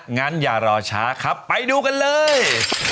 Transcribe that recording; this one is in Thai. งั้นอย่ารอช้าครับไปดูกันเลย